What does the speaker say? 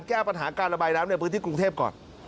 แก้ปัญหาการระบายน้ำในพื้นที่กรุงเทพก่อน